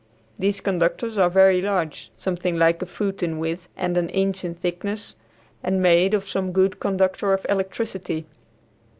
These conductors are very large, something like a foot in width and an inch in thickness, and made of some good conductor of electricity.